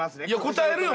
答えるよ